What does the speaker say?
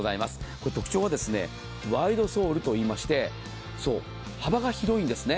これ特徴はワイドソールといいましてそう、幅が広いんですね。